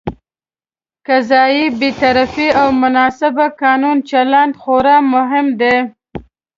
قضايي بېطرفي او مناسب قانوني چلند خورا مهم دي.